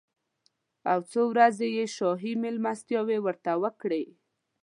او څو ورځې یې شاهي مېلمستیاوې ورته وکړې.